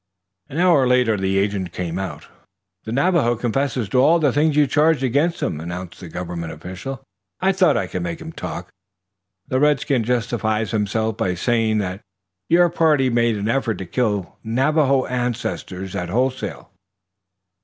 An hour later the agent came out. "The Navajo confesses to all the things you charge against him," announced the government official. "I thought I could make him talk. The redskin justifies himself by saying that your party made an effort to kill Navajo ancestors at wholesale."